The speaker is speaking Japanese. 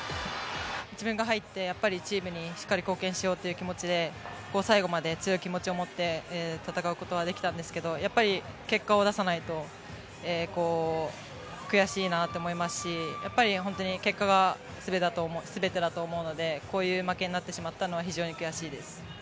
自分が入ってチームにしっかり貢献しようという気持ちで最後まで強い気持ちを持って戦うことができたんですけどやっぱり結果を出さないと悔しいなと思いますし結果が全てだと思うのでこういう負けになってしまったのは非常に悔しいです。